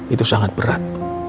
itu sangat berat